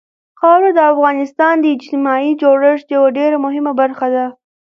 خاوره د افغانستان د اجتماعي جوړښت یوه ډېره مهمه برخه ده.